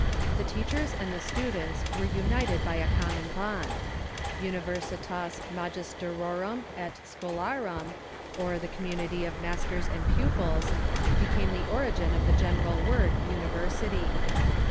The teachers and the students were united by a common bond. The term Universitas MagistroruuL et jScho larum, or the Community of Masters and Pupils, became the Tin: Divii>Ei> I'Ai'ACY 187 origin of the general word University.